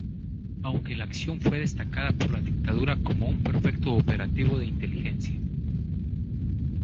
Aunque la acción fue destacada por la dictadura como un perfecto operativo de inteligencia.